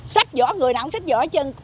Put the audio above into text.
sách vỏ người nào cũng sách vỏ chân